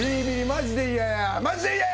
マジで嫌や！